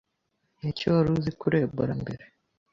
Ni iki wari uzi kuri Ebola mbere